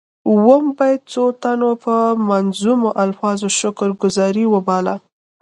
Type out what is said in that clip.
اووم بیت څو تنو په منظومو الفاظو شکر ګذاري وباله.